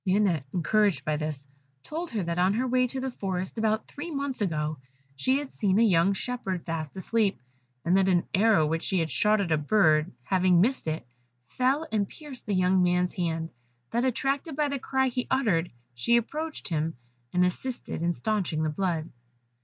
Lionette encouraged by this, told her that, on her way to the forest, about three months ago, she had seen a young shepherd fast asleep, and that an arrow which she had shot at a bird having missed it, fell and pierced the young man's hand; that attracted by the cry he uttered, she approached him, and assisted in stanching the blood.